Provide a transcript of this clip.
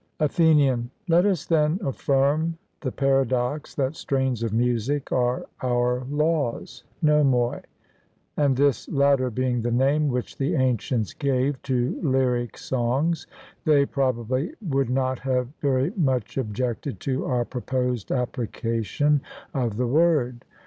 ATHENIAN: Let us then affirm the paradox that strains of music are our laws (nomoi), and this latter being the name which the ancients gave to lyric songs, they probably would not have very much objected to our proposed application of the word.